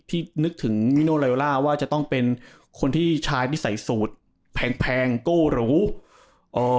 ที่นึกถึงว่าจะต้องเป็นคนที่ใช้ที่ใส่สูตรแพงแพงกู้หรูเอ่อ